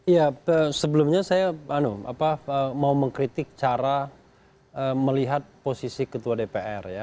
ya sebelumnya saya mau mengkritik cara melihat posisi ketua dpr ya